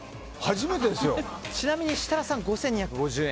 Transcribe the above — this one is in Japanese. ちなみに設楽さんは５２５０円。